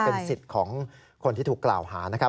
เป็นศิษย์ของคนที่ถูกกราวหา